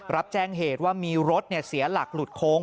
รับแจ้งเหตุว่ามีรถเสียหลักหลุดโค้ง